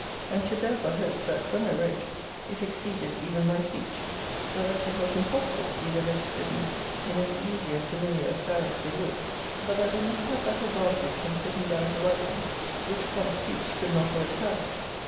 ], and should therefore hope, that, when I wrote, it exceeded even my speech: for that it was impossible, be the letters written in as easy and familiar a style as they would, but that they must have that advantage from sitting down to write them which prompt speech could not always have.